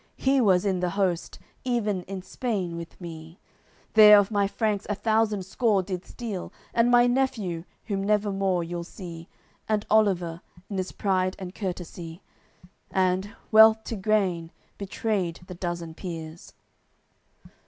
He was in th'host, even in Spain with me; There of my Franks a thousand score did steal, And my nephew, whom never more you'll see, And Oliver, in 's pride and courtesy, And, wealth to gain, betrayed the dozen peers."